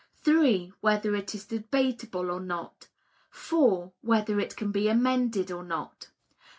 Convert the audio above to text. (3) Whether it is debatable or not. (4) Whether it can be amended or not.